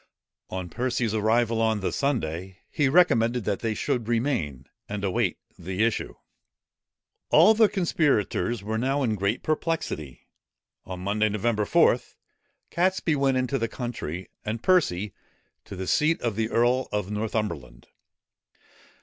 On Percy's arrival on the Sunday, he recommended that they should remain, and await the issue. All the conspirators were now in great perplexity. On Monday, Nov. 4, Catesby went into the country, and Percy to the seat of the earl of Northumberland.